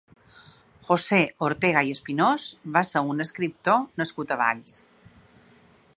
José Ortega i Espinós va ser un escriptor nascut a Valls.